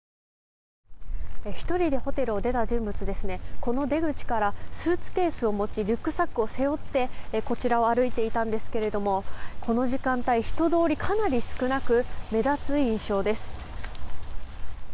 １人でホテルを出た人物はこの出口からスーツケースを持ちリュックサックを背負ってこちらを歩いていたんですけどもこの時間帯、人通りかなり少なく目立つ印象です。